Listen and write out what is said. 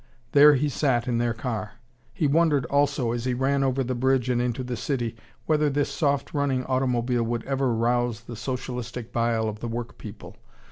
There he sat in their car. He wondered, also, as he ran over the bridge and into the city, whether this soft running automobile would ever rouse the socialistic bile of the work people.